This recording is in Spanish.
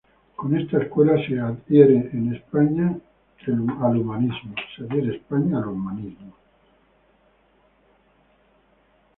Con esta escuela se adhiere en España el Humanismo.